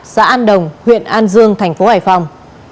xã an đồng huyện an dương thành phố hải phòng